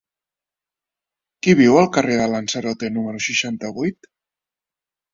Qui viu al carrer de Lanzarote número seixanta-vuit?